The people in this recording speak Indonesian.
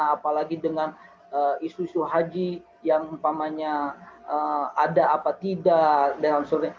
apalagi dengan isu isu haji yang empamanya ada apa tidak